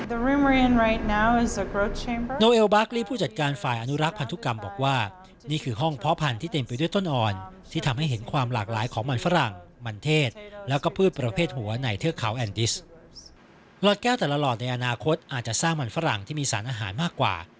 หลอดแก้วแต่ละหลอดในอนาคตอาจจะสร้างมันฝรั่งที่มีสารอาหารมากกว่า